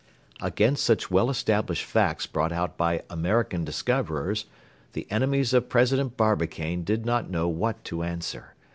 Against such well established facts brought out by American discoverers the enemies of President Barbicane did not know what to answer.